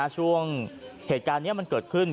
ช่วงเหตุการณ์นี้มันเกิดขึ้น